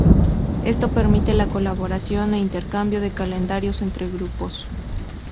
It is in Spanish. Esto permite la colaboración e intercambio de calendarios entre grupos.